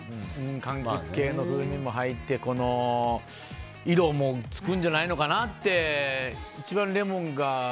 柑橘系の風味も入って色もつくんじゃないのかなって一番レモンが。